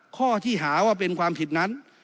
ข้อหาที่หาว่าเป็นความผิดนั้น